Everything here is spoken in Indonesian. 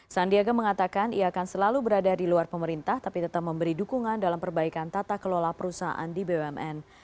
sandiaga mengatakan ia akan selalu berada di luar pemerintah tapi tetap memberi dukungan dalam perbaikan tata kelola perusahaan di bumn